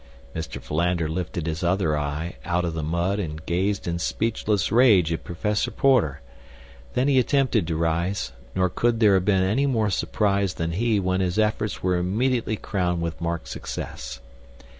Mr. Philander lifted his other eye out of the mud and gazed in speechless rage at Professor Porter. Then he attempted to rise; nor could there have been any more surprised than he when his efforts were immediately crowned with marked success.